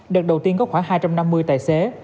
đợt đầu tiên có khoảng hai trăm năm mươi tài xế